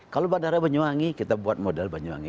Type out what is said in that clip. kalau bandara banyuwangi kita buat model banyuwangi